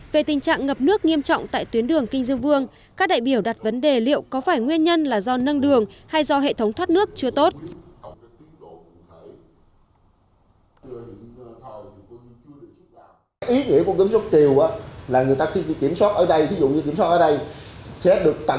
về tình trạng ngập nước nghiêm trọng tại tuyến đường kinh dương vương các đại biểu đặt vấn đề liệu có phải nguyên nhân là do nâng đường hay do hệ thống thoát nước chưa tốt